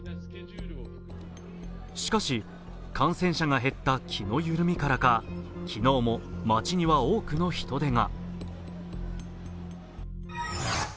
しかし、感染者が減った気の緩みからか昨日も街には多くの人出が。